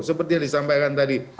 seperti yang disampaikan tadi